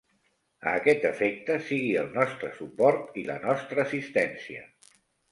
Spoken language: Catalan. A aquest efecte, sigui el nostre suport i la nostra assistència.